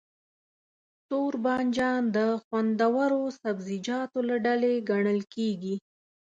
توربانجان د خوندورو سبزيجاتو له ډلې ګڼل کېږي.